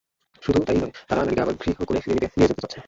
শুধু তা-ই নয়, তারা নারীকে আবার ঘৃহকোণে ফিরিয়ে নিয়ে যেতে চাচ্ছে।